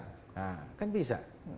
nah kan bisa